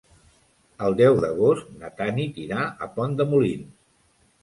El deu d'agost na Tanit irà a Pont de Molins.